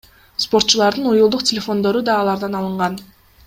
Спортчулардын уюлдук телефондору да алардан алынган.